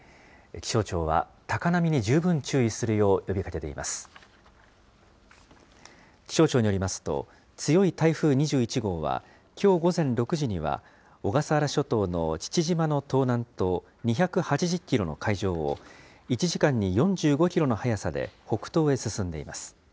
気象庁によりますと、強い台風２１号は、きょう午前６時には、小笠原諸島の父島の東南東２８０キロの海上を、１時間に４５キロの速さで北東へ進んでいます。